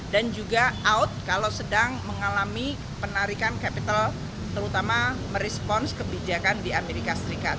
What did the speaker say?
dan juga out kalau sedang mengalami penarikan kapital terutama merespons kebijakan di amerika serikat